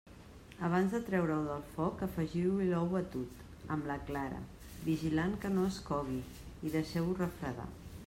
Abans de treure-ho del foc, afegiu-hi l'ou batut, amb la clara, vigilant que no es cogui i deixeu-ho refredar.